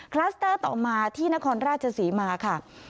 คลัสเตอร์ต่อมาที่นครราชศรีมาค่ะ